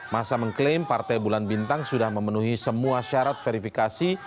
masa mengklaim partai bulan bintang sudah memenuhi semua syarat verifikasi